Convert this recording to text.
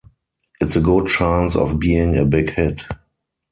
It's a good chance of being a big hit.